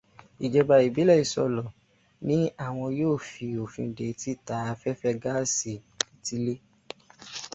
Ìjọba ìbílẹ̀ Ìsolò ní àwọn yóò fi òfin dè títà afẹ́fẹ́ gáàsì létílé.